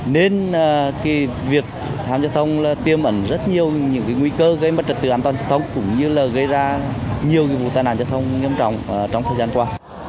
như là gây ra nhiều nghiệp vụ tàn nạn giao thông nghiêm trọng trong thời gian qua